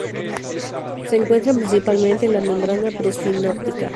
Se encuentran principalmente en la membrana presináptica.